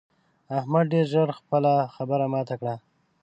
احمد ډېر ژر خپله خبره ماته کړه.